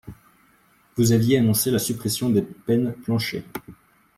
Vous aviez annoncé la suppression des peines plancher.